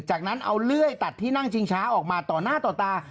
จากนั้นเอาเลื่อยตัดที่นั่งชิงช้าออกมาต่อหน้าต่อตา